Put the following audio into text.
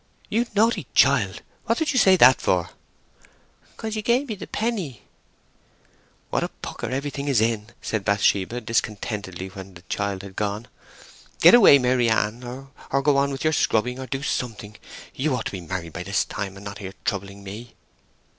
'" "You naughty child! What did you say that for?" "'Cause he gave me the penny!" "What a pucker everything is in!" said Bathsheba, discontentedly when the child had gone. "Get away, Maryann, or go on with your scrubbing, or do something! You ought to be married by this time, and not here troubling me!"